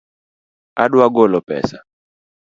Adwa golo pesa